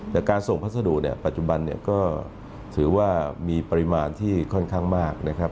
แต่การส่งพัสดุเนี่ยปัจจุบันเนี่ยก็ถือว่ามีปริมาณที่ค่อนข้างมากนะครับ